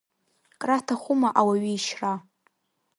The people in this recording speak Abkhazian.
Краҭахума ауаҩы ишьра?